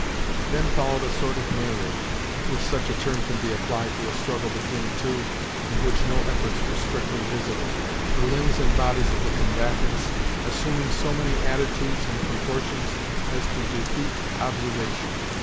Then followed a sort of melee, if such a term can be applied to a struggle between two in which no efforts were strictly visible, the limbs and bodies of the combatants assuming so many attitudes and contortions as to defeat observation.